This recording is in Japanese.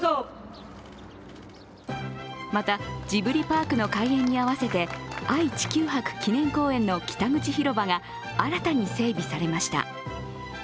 また、ジブリパークの開園に合わせて愛・地球博記念公園の北口広場が新たに整備されました。